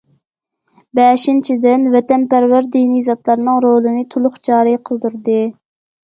بەشىنچىدىن، ۋەتەنپەرۋەر دىنىي زاتلارنىڭ رولىنى تولۇق جارى قىلدۇردى.